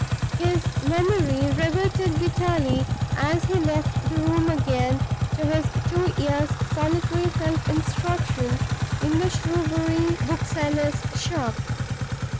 His memory reverted bitterly as he left the room again to his two years' solitary self instruction in the Shrewsbury book seller's shop.